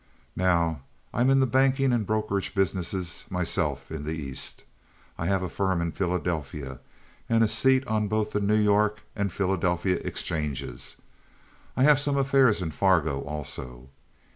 Now I'm in the banking and brokerage business myself in the East. I have a firm in Philadelphia and a seat on both the New York and Philadelphia exchanges. I have some affairs in Fargo also.